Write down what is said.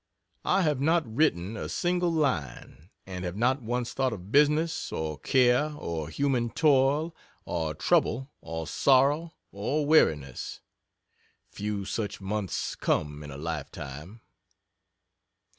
I have not written a single line, and have not once thought of business, or care or human toil or trouble or sorrow or weariness. Few such months come in a lifetime.